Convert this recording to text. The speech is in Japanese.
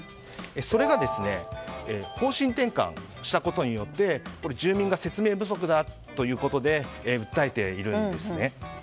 それが方針転換したことによって住民が説明不足だということで訴えているんですね。